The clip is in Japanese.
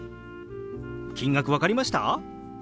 金額分かりました？